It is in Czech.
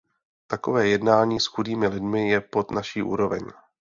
Takové jednání s chudými lidmi je pod naši úroveň.